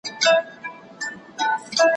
زه هره ورځ د سبا لپاره د ژبي تمرين کوم!؟